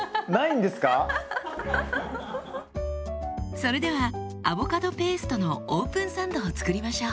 それではアボカドペーストのオープンサンドを作りましょう。